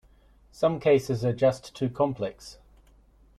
Some cases are just too complex.